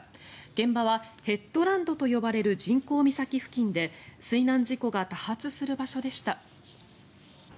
現場はヘッドランドと呼ばれる人工岬付近で水難事故が多発する場所でした。